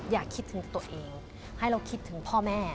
อย่าคิดถึงตัวเองให้เราคิดถึงพ่อแม่